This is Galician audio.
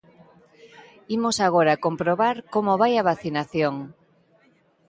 Imos agora comprobar como vai a vacinación.